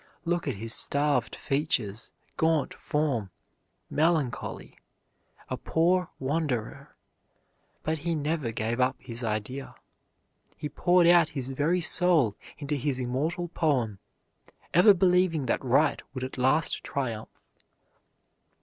Look at his starved features, gaunt form, melancholy, a poor wanderer; but he never gave up his idea; he poured out his very soul into his immortal poem, ever believing that right would at last triumph.